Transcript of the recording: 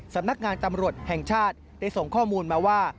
สำนักงานตำรวจแห่งชาติได้ส่งข้อมูลมาว่า